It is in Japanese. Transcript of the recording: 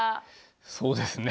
そうですね